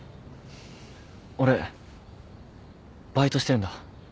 俺バイトしてるんだ。